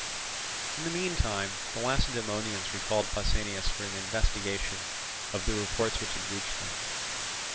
In the meantime the Lacedaemonians recalled Pausanias for an investigation of the reports which had reached them.